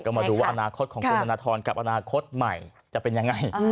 ก็มาดูว่าอนาคตของคุณธนทรกับอนาคตใหม่จะเป็นยังไง